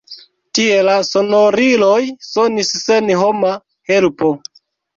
Tie la sonoriloj sonis sen homa helpo.